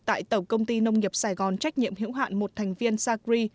tại tổng công ty nông nghiệp sài gòn trách nhiệm hữu hạn một thành viên sacri